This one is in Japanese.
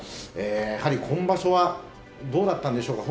やはり今場所はどうだったんでしょうか。